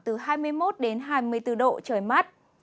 từ hai mươi một đến hai mươi bốn độ trời mát